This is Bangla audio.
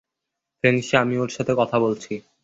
ফেংশি, আমি ওর সাথে কথা বলছি।